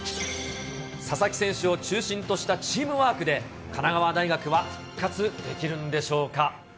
佐々木選手を中心としたチームワークで神奈川大学は復活できるんでしょうか。